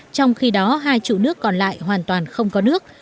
trong khi đó hai trụ nước còn lại hoàn toàn không có nước